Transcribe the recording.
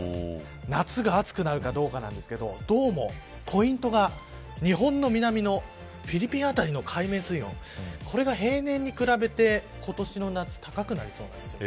夏が暑くなるかどうかなんですがどうもポイントが日本の南のフィリピン辺りの海面水温これが平年に比べて、今年の夏高くなりそうなんです。